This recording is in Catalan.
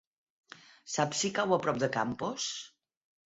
Saps si cau a prop de Campos?